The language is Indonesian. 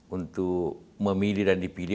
untuk memilih dan dipilih